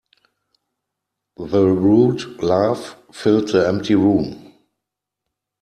The rude laugh filled the empty room.